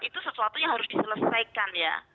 itu sesuatu yang harus diselesaikan ya